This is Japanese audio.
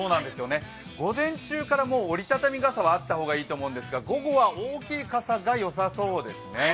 午前中から折りたたみ傘はあった方がいいと思うんですが午後は大きい傘がよさそうですね。